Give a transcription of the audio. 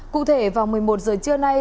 cụ thể vào một mươi một h trưa nay